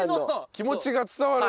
気持ちが伝わる。